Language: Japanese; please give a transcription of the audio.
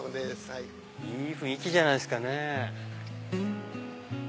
いい雰囲気じゃないですかね。